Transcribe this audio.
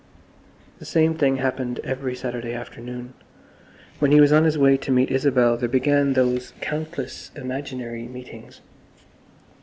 The same thing happened every Saturday afternoon. When he was on his way to meet Isabel there began those countless imaginary meetings.